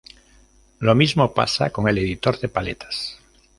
Lo mismo pasa con el editor de paletas.